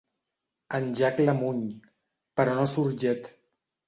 En Jack la muny, però no surt llet.